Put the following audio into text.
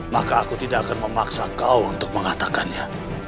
maka aku tidak akan memaksa kau untuk mengatakannya